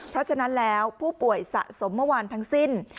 เพราะฉะนั้นแล้วผู้ป่วยสะสมเมื่อวานทั้งสิ้น